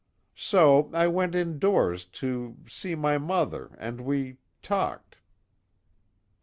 "So I went indoors to see my mother, and we talked."